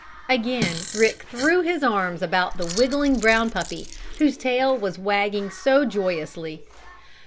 Again Rick threw his arms about the wiggling, brown puppy whose tail was wagging so joyously.